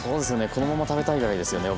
このまま食べたいぐらいですよね